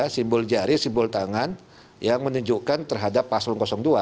simbol jari simbol tangan yang menunjukkan terhadap paslon dua